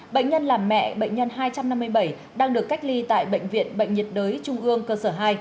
bệnh nhân là mẹ bệnh nhân hai trăm năm mươi bảy đang được cách ly tại bệnh viện bệnh nhiệt đới trung ương cơ sở hai